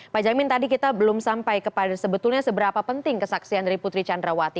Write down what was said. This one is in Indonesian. pak jamin tadi kita belum sampai kepada sebetulnya seberapa penting kesaksian dari putri candrawati